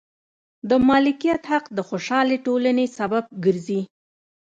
د مالکیت حق د خوشحالې ټولنې سبب ګرځي.